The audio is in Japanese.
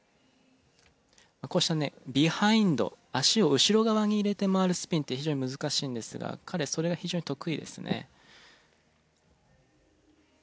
こうしたねビハインド足を後ろ側に入れて回るスピンって非常に難しいんですが彼は非常にそれが得意ですね。